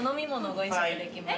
ご飲食できます。